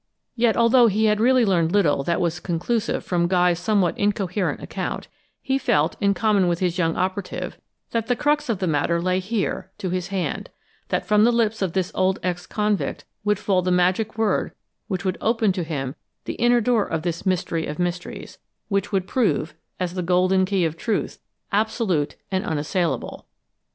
Yet although he had really learned little that was conclusive from Guy's somewhat incoherent account, he felt, in common with his young operative, that the crux of the matter lay here, to his hand, that from the lips of this old ex convict would fall the magic word which would open to him the inner door of this mystery of mysteries which would prove, as the golden key of truth, absolute and unassailable.